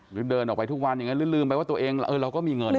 เดินออกไปทุกวันอย่างนั้นหรือลืมไปว่าตัวเองเราก็มีเงิน